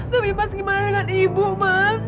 tapi mas gimana dengan ibu mas